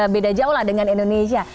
beda jauh lah dengan indonesia